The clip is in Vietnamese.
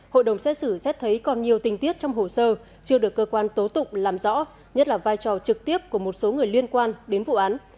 hội đồng xét xử xét thấy còn nhiều tình tiết trong hồ sơ chưa được cơ quan tố tụng làm rõ nhất là vai trò trực tiếp của một số người liên quan đến vụ án